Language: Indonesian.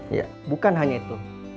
iya bukan hanya itu